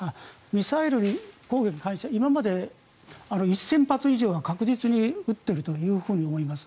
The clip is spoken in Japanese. ミサイル攻撃が開始されて今まで１０００万発以上は確実に撃っていると思います。